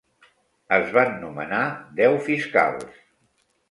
Es van nomenar deu fiscals.